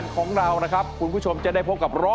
พอทำเผื่อนู้สัตว์เวลาก็